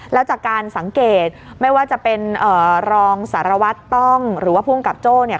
แล้วจากการสังเกตไม่ว่าจะเป็นรองสารวัตรต้องหรือว่าภูมิกับโจ้เนี่ย